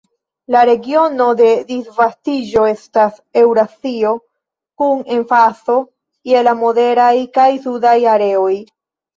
La regiono de disvastiĝo estas Eŭrazio, kun emfazo je la moderaj kaj sudaj areoj.